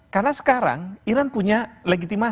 karena sekarang iran punya legitimasi